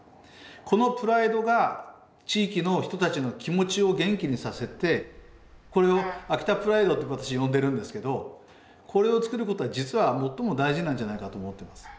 このプライドが地域の人たちの気持ちを元気にさせてこれを秋田プライドって私呼んでるんですけどこれをつくることは実は最も大事なんじゃないかと思ってます。